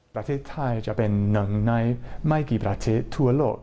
ประเทศไทยจะเป็นหนึ่งในไม่กี่ประเทศทั่วโลก